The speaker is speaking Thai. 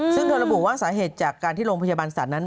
ซึ่งเธอระบุว่าสาเหตุจากการที่โรงพยาบาลสัตว์นั้น